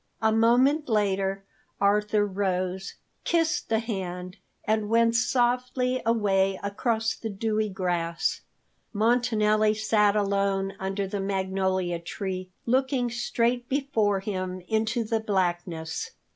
A moment later Arthur rose, kissed the hand, and went softly away across the dewy grass. Montanelli sat alone under the magnolia tree, looking straight before him into the blackness.